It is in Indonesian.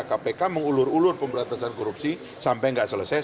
kpk mengulur ulur pemberantasan korupsi sampai nggak selesai